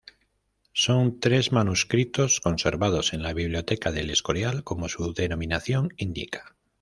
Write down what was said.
Son tres manuscritos conservados en la biblioteca de El Escorial, como su denominación indica.